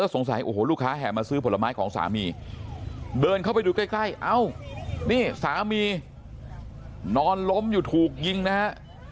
สงสัยโอ้โหลูกค้าแห่มาซื้อผลไม้ของสามีเดินเข้าไปดูใกล้เอ้านี่สามีนอนล้มอยู่ถูกยิงนะฮะ